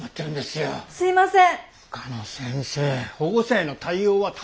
はいすいません。